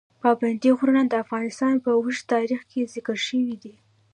پابندي غرونه د افغانستان په اوږده تاریخ کې ذکر شوي دي.